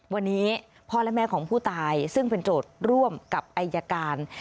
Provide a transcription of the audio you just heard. วันนี้พ่อและแม่ของผู้ตายซึ่งเป็นโจทย์ร่วมกับอายการ